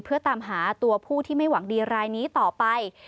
เพื่อตามหาตัวผู้ที่ไม่หวังดีรายนี้ต่อไป